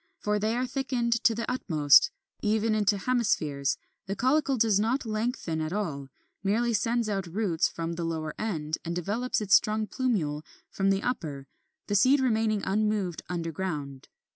For they are thickened to the utmost, even into hemispheres; the caulicle does not lengthen at all; merely sends out roots from the lower end, and develops its strong plumule from the upper, the seed remaining unmoved underground.